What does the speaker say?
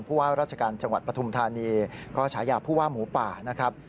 ว่าราชการจังหวัดปฐุมธานีก็ฉายาผู้ว่าหมูป่านะครับ